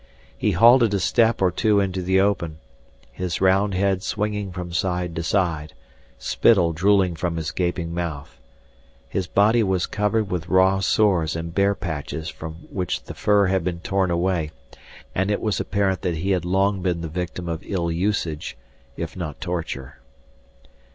He halted a step or two into the open, his round head swinging from side to side, spittle drooling from his gaping mouth. His body was covered with raw sores and bare patches from which the fur had been torn away, and it was apparent that he had long been the victim of ill usage, if not torture.